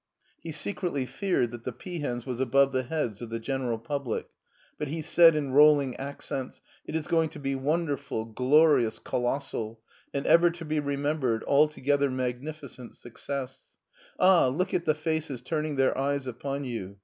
He secretly feared that " The Peahens " was above the heads of the general public, but he said in rolling ac cents :" It is going to be wonderful, glorious, colossal, an ever to be remembered, altogether magnificent suc cess. Ah, look at the faces turning their eyes upon you